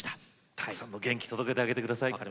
たくさんの元気を届けてあげてください。